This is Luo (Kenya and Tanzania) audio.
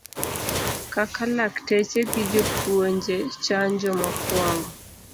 Kaka lakteche gi jopuonje chanjo mokuongo